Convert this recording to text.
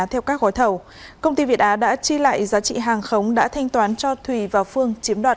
theo các gói thầu công ty việt á đã chi lại giá trị hàng khống đã thanh toán cho thùy và phương chiếm đoạt